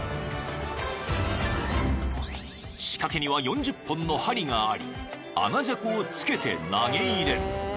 ［仕掛けには４０本の針がありアナジャコをつけて投げ入れる］